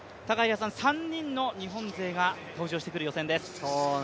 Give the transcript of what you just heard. ３人の日本勢が登場してくる予選です。